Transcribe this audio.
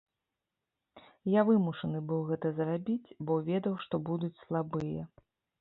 Я вымушаны быў гэта зрабіць, бо ведаў, што будуць слабыя.